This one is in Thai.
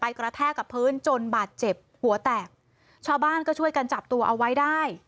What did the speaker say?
กระแทกกับพื้นจนบาดเจ็บหัวแตกชาวบ้านก็ช่วยกันจับตัวเอาไว้ได้